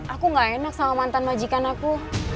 aku gak enak sama mantan majikan aku